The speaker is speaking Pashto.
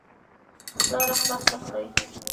لار خلاصه کړئ